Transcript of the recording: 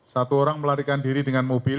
satu orang melarikan diri dengan mobil